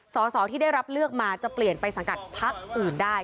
สอสอที่ได้รับเลือกมาจะเปลี่ยนไปสังกัดพักอื่นได้